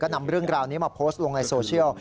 นำเรื่องราวนี้มาโพสต์ลงในโซเชียล